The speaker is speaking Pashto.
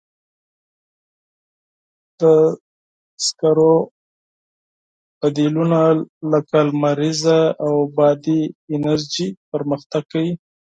د سکرو بدیلونه لکه لمریزه او بادي انرژي پرمختګ کوي.